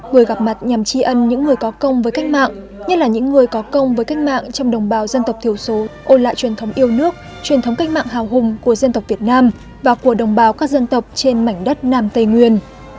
buổi gặp mặt nhằm tri ân những người có công với cách mạng nhất là những người có công với cách mạng trong đồng bào dân tộc thiểu số ôn lại truyền thống yêu nước truyền thống cách mạng hào hùng của dân tộc việt nam và của đồng bào các dân tộc trên mảnh đất nam tây nguyên